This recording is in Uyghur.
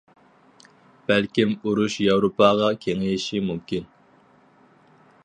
بەلكىم ئۇرۇش ياۋروپاغا كېڭىيىشى مۇمكىن.